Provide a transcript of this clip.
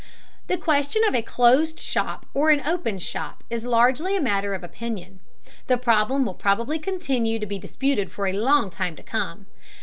The question of a closed shop or an open shop is largely a matter of opinion. The problem will probably continue to be disputed for a long time to come.